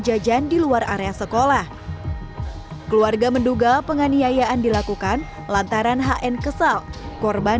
jajan di luar area sekolah keluarga menduga penganiayaan dilakukan lantaran hn kesal korban